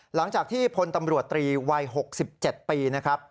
หลังจากที่พลตำรวจตรีวัย๖๗ปีนะครับ